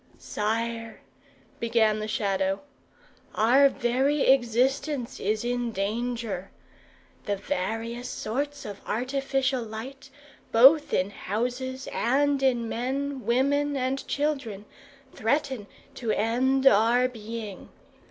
"Sire," began the Shadow, "our very existence is in danger. The various sorts of artificial light, both in houses and in men, women, and children, threaten to end our being.